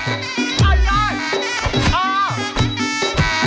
เอาล่ะ